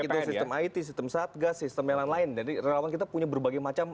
itu sistem it sistem satgas sistem yang lain lain jadi relawan kita punya berbagai macam